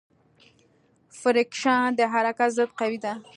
فریکشن د حرکت ضد قوې ده.